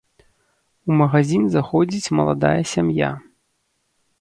У магазін заходзіць маладая сям'я.